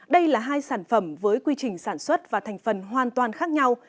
đây là hai sản phẩm với quy trình sản xuất và thành phần hoàn toàn khác nhau